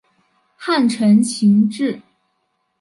汉承秦制。